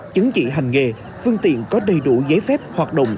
chứng chỉ hành nghề phương tiện có đầy đủ giấy phép hoạt động